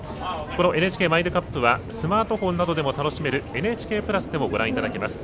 このＮＨＫマイルカップはスマートフォンなどでも楽しめる「ＮＨＫプラス」でもご覧いただけます。